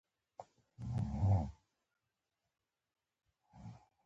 دوی په خپلو رسنیو کې د وژل شویو خلکو په اړه هیڅ نه وايي